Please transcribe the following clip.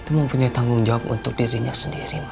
itu mempunyai tanggung jawab untuk dirinya sendiri